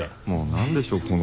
もう何でしょう